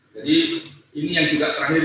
jadi ini yang juga terakhir